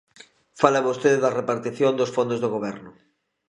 Fala vostede da repartición dos fondos do Goberno.